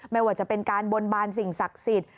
ไม่ว่าจะเป็นการบนบานสิ่งศักดิ์สิทธิ์